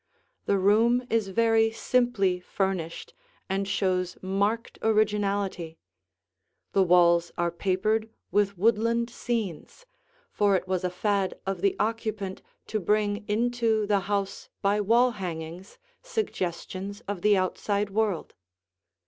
The room is very simply furnished and shows marked originality. The walls are papered with woodland scenes, for it was a fad of the occupant to bring into the house by wall hangings suggestions of the outside world.